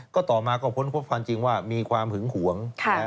ก็ต่อมาก็พ้นพบความจริงว่ามีความหึงหวง